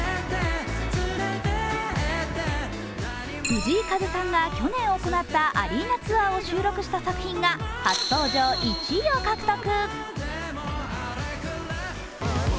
藤井風さんが去年行ったアリーナツアーを収録した作品が初登場１位を獲得。